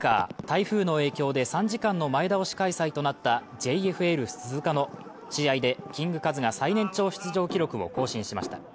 台風の影響で３時間の前倒し開催となったＪＦＬ鈴鹿の試合でキングカズが最年長出場記録を更新しました。